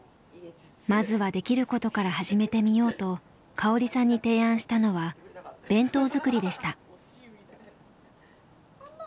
まずはできることから始めてみようと香織さんに提案したのは弁当作りでした。